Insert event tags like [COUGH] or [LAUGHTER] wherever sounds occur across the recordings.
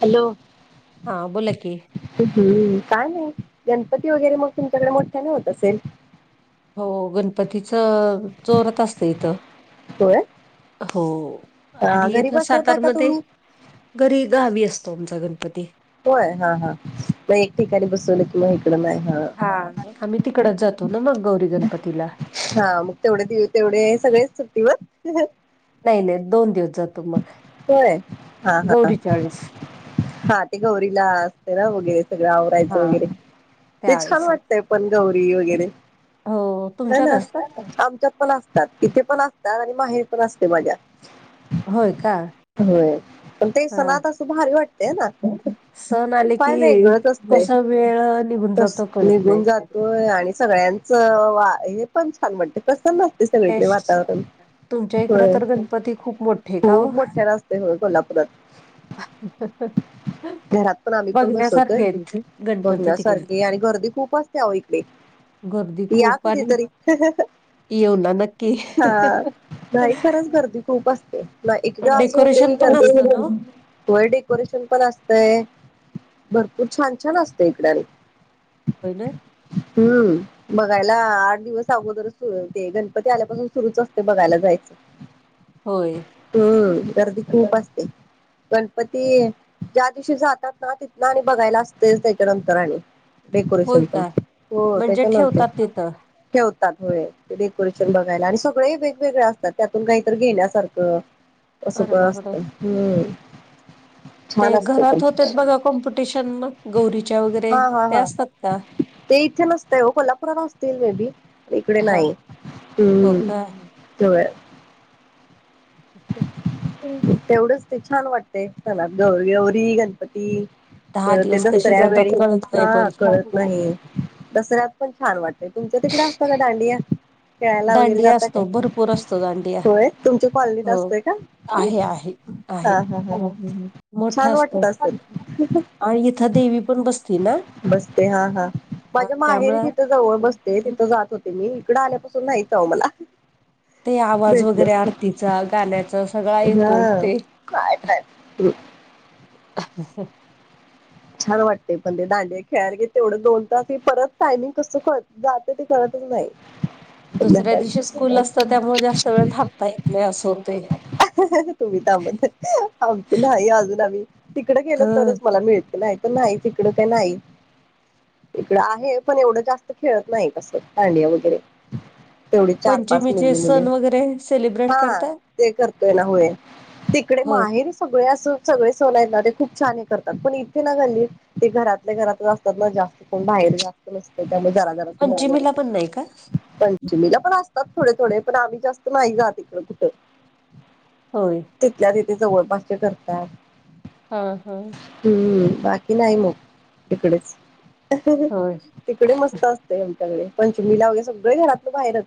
Hello,, हा बुलकी. काय नाही गणपती वगैरे मग तुमच्याकडे मोठ्या नाही होत असेल. हो गणपतीच चोरत असतं इथं. होय हो हा आणि घरी इथ बसवताय का सातारमध्ये. तुम्ही घरी गावी असतो आमचा गणपती. होय हा हा मग एक ठिकाणी बसवलं कि मग इकडं नाही हा. ह आम्ही तिकडच जातो ना मग गौरी गणपतीला. हा मग तेवढे दि तेवढे आहे सगळेच सुट्टीवर. नाही नाही दोन दिवस जातो मग होय हा हा गौरी चाळीस. हा ते गौरीला असते ना वगैरे सगळं हा आवरायचं वगैरे ते छान त्यावेळेस वाटतय. पण गौरी वगैरे. हो तुमच्यात असतात. त पण असतात इथे पण असतात आणि माहेर पण असते माझ्या. होय का. होय पण ते हा सणत असू भारी वाटतेय ना सण आले की काय वेगळंच अस. कसा वेळ निघून तस जातो कळत नाही निघून जातोय आणि. सगळ्यांचं वा हे पण छान म्हणते कसं ना. ते सगळीकडे बेस्ट वातावरण तुमच्या हो. इकडं तर खूप मोठ. खूप मोठे रस्ते होते कोल्हापुरात. घरात पण आम्ही पण बसवतोय बघण्यासारखे आहेत गणपती तिकडे बघण्यासारखे आणि गर्दी खूप असते आह इकडे. गर्दी या खूप आणि. कधीतरी हा येऊ ना नक्की नाही खरंच गर्दी खूप असते. म पण एकदा असं होते डेकोरेशन की पण करते असतं ना तूही. डेरेशन पण असतय भरपूर छान छान असत इकड. होय नाही. हम्म. बघायला आठ दिवस अगोदरचर ते गणपती आल्यापासून सुरुच असते बघायला जायचं. होय. हम्म गर्दी खूप असते. गणपती ज्या दिवशी जातात ना तिथ आणि बघायला असते त्याच्यानंतर आणि. होय डेकोरेशन पण का हो ते म्हणजे का नत. ठेवतात तिथं ठेवतात व डेकोरेशन बघायला आणि सगळे वेगवेगळे असतात त्यातून काहीत घेण्यासारखं हा तसा अरे पण बापरे असतं ते छान असतं पण घरात होते बघा कॉम्पिटिशन मग गौरीच्या वगैरे हा हा ते हा असतात का ते इथे नसतय हो कोल्हापुरात असतील मे बी इकडे हा नाही हो का आहे त तेवढंच ते छान वाटते त्याला गौरी गौरी गणपती. दहा पर ते दिवस कसे दसऱ्या वेळी जातात कळत नाही हा पण कळत नाही. दसऱ्यात पण छान वाटत तुमच्या तिकडे असत का दांडिया. खेळायला वगैरे दांडिया जातात असतो काय भरपूर असतो दांडिया होय तुमच्या कॉलनीत हो असतोय का. आहे आहे आहे हा हा हा मोठा छान असतो. वाटत असेल आणि इथं देवी पण बसती ना. बसते हा हा माझ्या माहेरी त्यामुळं तिथ जवळ बसते तिथं जात होते ते मी इकडं आल्यापासून नाहीच मला ते आवाज वगैरे भेटलंच आरतीचा गाण्याचा सगळा नाही येतो हा ते काय काय ह छान वाटते पण ते दांड खेळायला घेत तेवढं दोन तास हे परत टायमिंग कसं करत जातं ते करतच नाही ह दुसऱ्या दिवशी स्कूल असतं त्यामुळे जास्त वेळ थाबता येत नाही असं होतय तुम्ही त्यामध्ये आमच नाही अजून आम्ही तिकडे गेलो तरच ह मला मिळत नाही तर नाही तिकडं ते नाही इकड आहे पण एवढं जास्त खेळत नाही कसं कांडिया वगैरे तेवढी चार पाच पंचमीचे मुली मुली सण वगैरे सेलिब्रेट हा करताय? ते करतोय ना होय तिकडे होय माहेर सगळे असं सगळे सवन आहेत ते खूप छान हे करतात पण घली ते घरातल्या घरातच असतात ना जास्त कोण बाहेर जास्त नसत त्यामुळे जरा पंचिमेला पण नाही का पंचमीला पण असतात थोडे थोडे पण आम्ही जास्त नाही जात इकड कुठं होय तिथल्या तिथे जवळपासचे करतात हा हा हम्म बाकी नाही मग तिकडेच होय तिकडे मस्त असत आमच्याकडे पंचमीलागैर सगळं घरातलं बाहेरच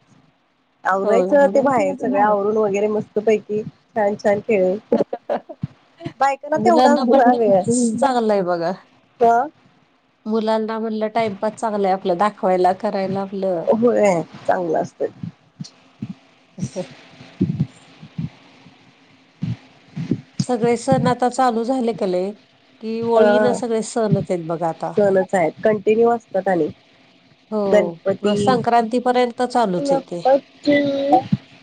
होय. आवरायचं ते बाहेर सगळं आवरून वगैरे मस्त पैकी छान छान खेळून बायकांला तेवढाच ना वेळ चांगललंय बघा का मुलांना म्हटलं टाइमपास चांगलाय आपलं दाख खायला करायला आपलं होय चांगलं असत सगळे सण आता चालू झाले कले कि ओळीन हा सगळे सणत आहेतेत बघा आता सणच आहेत कंटिन्यू असतात आणि हो गणपती संक्रांतीपर्यंत चालूच आहे तेे आजी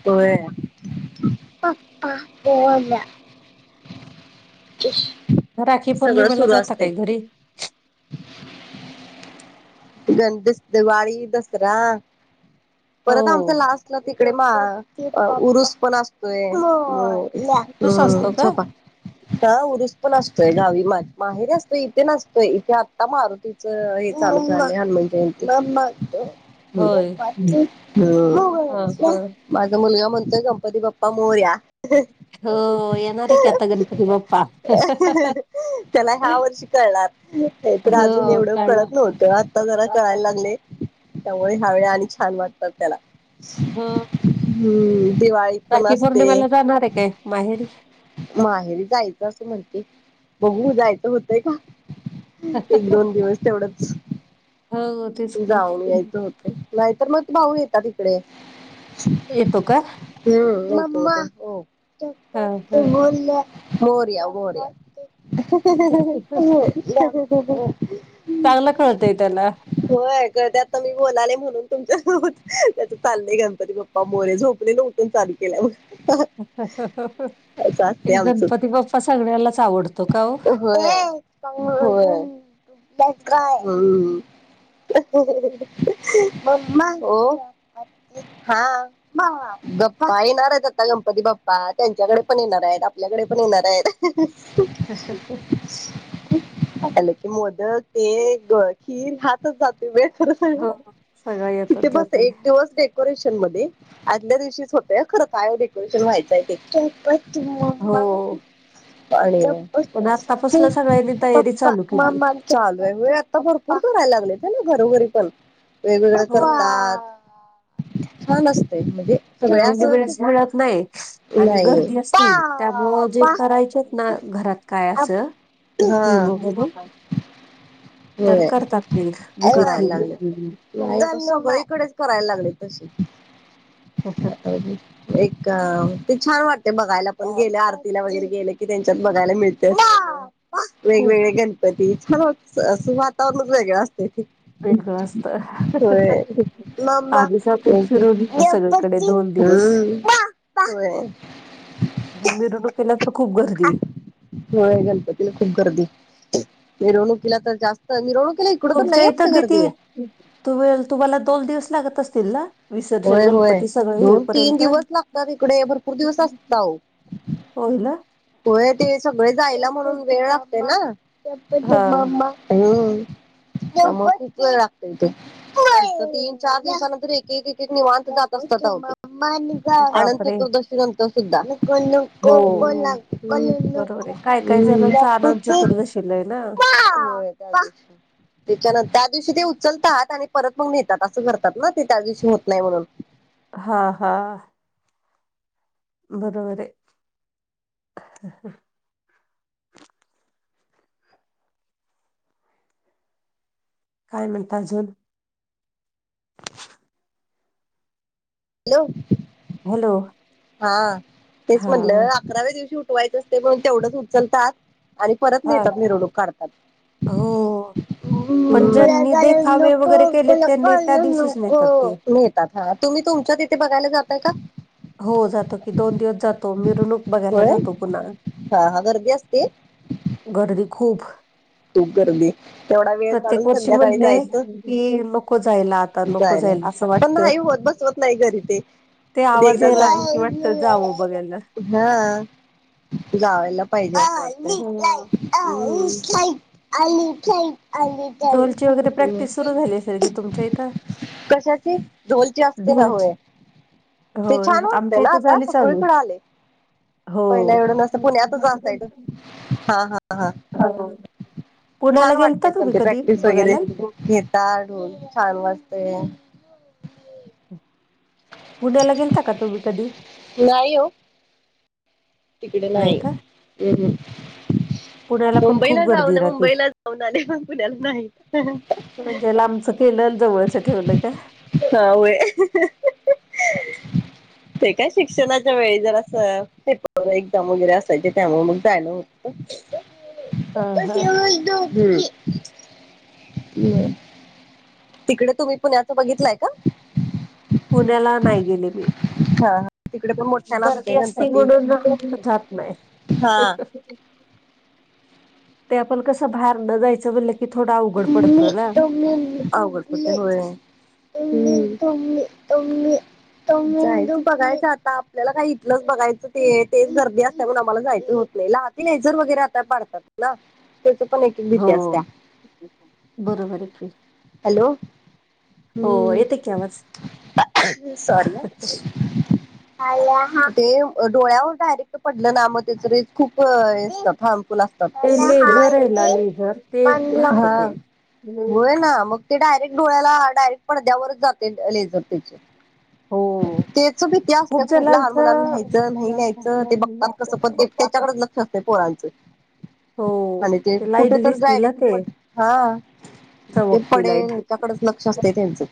होय बोलल्या [UNINTELLIGIBLE] राखी सगळं पौर्णिमेला सुरू जाता असते काही घरी त गण दिस दिवाळी दसरा हो परत आमच्या लास्ट ला तिकडे मा उरुस पण असतोय तूच हम् असतो का झोपा हा उरुस पण असतोय गावी मा माहेर असतोय इथे नसतोय इथे आत्ता मारूत हे चालू हनुमान जयंती होय हो हा हा माझा मुलगा म्हणतोय गणपती बाप्पा मोर्या हो येणार आहे की आता गणपती बाप्पा त्याला ह्या वर्षी कणार तर हो अजून एवढं काढला कळत नव्हत आता जरा कळायला लागले त्यामुळे ह्यावे आणि छान वाटतात त्याला हो हम्म दिवाळीत पण राखी असते पौर्णिमेला जाणार आहे काय माहेरी माहेरी जायचं असं म्हणते बघू जायचं होतंय का एक दोन दिवस तेवढंच हो तेच की जाऊन यायचं होत नाहीतर मग भाऊ येतात तिकडे येतो का हा [INAUDIBLE] हा मोरया मोरया चांगलं कळतंय त्याला होयते आता मी बोले म्हणून तुमच्या त्या चालले गणपती बाप्पा मोरे झोपले नव्हते चालू केल्या मग एक गणपती बाप्पा सगळ्यालाच आवडतो का हो हो काय म् हो हा बाप्पा येणार आहेत आता गणपती बाप्पा त्यांच्याकडे पण येणार आहेत आपल्याकडे पण येणार आहेत [INAUDIBLE] [INAUDIBLE] ल क मोदक ते खीर हात जाते वेळ हो सगळं तिथे येतात बस जाते एक दिवस डे डेकोरेशन मध्ये आदल्या दिवशीच होतय खरं काय डेकोरेशन व्हायचं आहे ते हो पण आतापासलं सगळ्यांनी तयारी त चालू केली. मग [INAUDIBLE] चालूय म्ह आता भरपूर करायला लागले ते ना घरोघरी पण वेगवेगळ हो करतात छान असतय म्हणजे सगळ्या असं अंडिपेंडनस मिळत नाही आणि नाही. गर्दी असली त्यामुळं जे पापा करायचे ना घरात काय असं हा हि मग तर होय करतात ते घरी थीम करायला लागले सर इकडेच करायला लागले तसे [INAUDIBLE] एक ते छान वाटते बघायला पण गेलं आरतीला वगैरे गेलं की त्यांच्यात बघायला मिळते खूप वेगवेगळे गणपती छान अस वातावरणच वेगळ असते वेगळं असतं. होय [INAUDIBLE] हम्म आम्हीच आपण फिरून येतो सगळीकडे दोन दिवस [INAUDIBLE] मीरुडू केला तर खूप गर्दी होय गणपतीला खूप गर्दी मिरवणुकीला तर जास्त मिरवणुकीला इकडं तर तुमच्या लई इथं असते गर्दी किती त वेळ तुम्हाला दोन दिवस लागत असतील ना विसर्जन होय होय गणपती सगळे दोन तीन होईपर्यंत दिवस लागतात इकडे भरपूर दिवस असतात अहो होयला होय ते सगळे जायला म्हणून वेळ लागते हा ना्म् लागतय ते तीन चार दिवसानंतर एक एक निवांत जात असतात बापरे अनंततुर्दशी नंतर सुद्धा को हो कोणा कोण बरोबर आहे काय काय जणांचा आनंद नक [INAUDIBLE] चतुर्दशीला आहे ना त्याच्यानंत त्या दिवशी ते उचलतात आणि परत मग नेतात असं कररतात ना ते त्या दिवशी होत नाही म्हणून हा हा बरोबर आहे काय म्हणत अजून हॅलो हॅलो हा तेच हा म्हणलं, अकराव्या दिवशी उठवायचं असते, म्हणून तेवढंच उचलतात. आणि परत हा नेहेतात, मिरवणूक काढतात. [INAUDIBLE] हो. पण हा ज्यांनी देखावे वगैरे केले त्यांनी त्या दिवशीच नेतात की तुम्ही तुमच्यात इथे बघायला जातय का हो जातो की दोन दिवस जातो मिरणूक बघायला होय जातो पुन्हा हा हा गर्दी असती. गर्दी खूप. खूप गर्दी, तेवढा वेळ काढून, प्रत्येक वर्षी संध्याकाळी म्हणते जायचं. की नको जायला आता नको जायला, असं पण वाटतं नाही होत, बसवत नाही, घरी ते. ते आवाज एकदा यायला की, कि वाटत जावं जाय बघायला. हा, जावायला पाहिजे अस हो वाटत. हम्म. आली थँ [INAUDIBLE] ढोलची वगैरे प्रॅक्टिस सुरू झाली असेल की तुमच्या इथं. कशाची, ढोलचे असते ना ढोलची होय. ते होय छान वाजते आमच्या ना, इथं आता झाली चालू सगळीकडे आले. पहिल्या हो एवढं नसतं, पुण्यातच असायच, हा हा. ह हो. पुण्याला छान गेलता वाटतय पण तुम्ही ते कधी प्रॅक्टिस वगैरे बघायला घेत. ढाल ढोल छान वाजतेय. पुण्याला गेलता का? तुम्ही कधी. नाही हो. तिकडे नाही, अहम्म्. पुण्याला पण मुंबईला खूप जाऊ गर्दी ना, राहते मुंबईला जाऊन आले, पण पुण्याला नाही. म्हणजे लांबचं केलंन, वळचं ठेवलं का? हा होय. ते काय, शिक्षणाच्या वेळी जरासं ते, एक्झाम वगैरे असायचे, त्यामुळे मग जायना होत. ह ह [UNINTELLIGIBLE] तिकडे तुम्ही, पुण्याच बघितलंय का? पुण्याला नाही गेले मी. हा हा तिकडे पण मोठ्यान गर्दी असते गणपती म्हणून, जात नाही. हा ते आपण कसं, भायरन जायचं म्हणले मटम म अघड कत हो आहे [UNINTELLIGIBLE] तुम्ही तुम्ही तुम्ही हम्म. [INAUDIBLE] बघायच आता आपल्याला काही इथलंच बघायचं ते तेच गर्दी असल्यामुळेण, आम्हाला जायचं होत नाही, लहान लेझर वगैरे आता पाडतात ना, त्याच पण एक भीती असतेया. बरोबरे. हॅलो, हम्म, येते की आवाज सॉरी ह. ह [INAUDIBLE] ते डोळ्यावर डायरेक्ट पडलं ना, मग ते रेज खूप फार्मफुल असत. तात, ते हा, लेझर आहे ना लेझर ते घातक आहे. होय. ना मग ते डायरेक्ट डोळ्याला, डायरेक्ट पडद्यावरच जाते लेझर त्याचे. हो. त्याच भीती असते खूप लहान मुलां न्यायचं नाही न्याहायचं, ते बघतात कसं पण, ते त्याच्याकडेच लक अस्ते पोरांच. हो आणि ते लाईट कुठे तर, दिसतील ना डायरेक्ट ते पड, हा. ते चमकती पडेल, लाईट हच्याकडेच लक्ष असते त्यांच,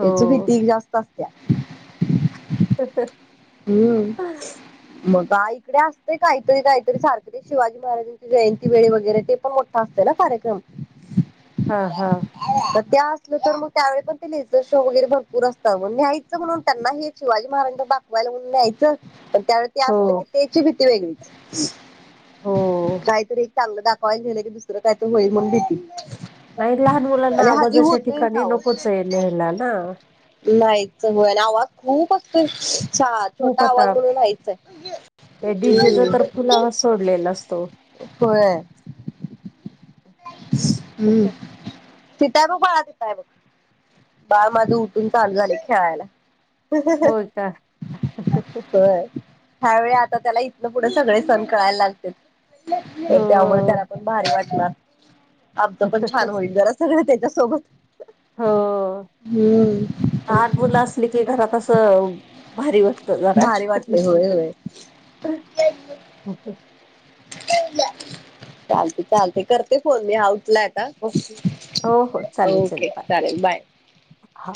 त्याच भीती जास्त अत्यया. तसंच [INAUDIBLE] हम्म मग आइकडे असतंय काहीतरी काहीतरी सारखं ते शिवाजी महाराजां जयंती वेळी वगैरे ते पण मोठा असते ना कार्यक्रम हा हा तर त्या असलं तर मग त्यावेळी पण ते लेजर शो वगैरे भरपूर असतात न्यायचं म्हणून, त्यांना हे शिवाजी महाराजांच दाखवायला म्हणून न्यायचं, पण त्यावेळी ते हो असलं की, ते ची भीती वेगळीच, हो. काहीतरी एक चांगलं दाख पाहायला गेल की, दुसरं काय तर होईल म्हणून भीती. नाही, लहान मुलांना आणि हल्ली आवाजाच्या होतयच ठिकाणी अहो नकोचे नेयला ना. नाहीच वय ना आवाज खूप असतो छा खूप छोटा आवाज आता म्हणून नाहीच ते डीजेचा हाय तर फुल आवाज सोडलेला असतो. होय हम् तीत त्याब बळा तिथं हाय बघ बाळ माझ उठून चालू झालय खेळायला अहह होय का? होय ह्यावेळी आता त्याला इथन पुढे सगळे सण कळायला लागतेत तर त्यामुळे त्याला हो. पण भारी वाटणार आमचं पण छान होईल जर सगळं त्याच्यासोबत हो हम्म लहान मुलं असली की घरात असं भारी वाटतो जरा भारी वाटतंय होय होय अहह चालते चालते करते फोन मी आउटलट हो हो चालेल ओके बाय. चालेल बाय हा.